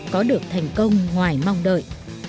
có được thành công ngoài mong đợi